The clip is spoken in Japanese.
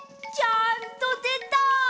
ちゃんとでた！